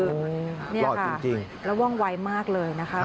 โอ้โฮหล่อจริงนี่ค่ะแล้วว่องไวมากเลยนะคะ